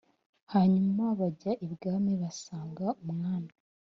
hanyuma bajya i bwami basanga umwami.